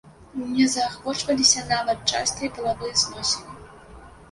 Не заахвочваліся нават частыя палавыя зносіны.